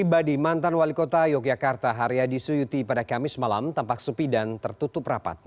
pribadi mantan wali kota yogyakarta haryadi suyuti pada kamis malam tampak sepi dan tertutup rapat